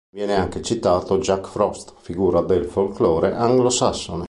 Viene anche citato Jack Frost, figura del folklore anglosassone.